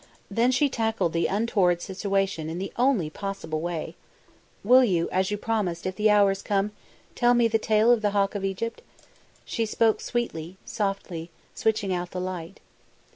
Then she tackled the untoward situation in the only possible way. "Will you, as you promised, if the hour is come, tell me the tale of the Hawk of Egypt?" She spoke sweetly, softly, switching out the light.